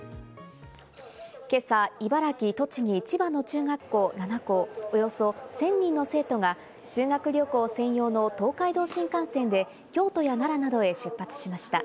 今朝、茨城・栃木・千葉の中学校７校およそ１０００人の生徒が修学旅行専用の東海道新幹線で京都や奈良などへ出発しました。